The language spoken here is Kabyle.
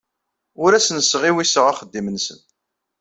Ur asen-sɣiwiseɣ axeddim-nsen.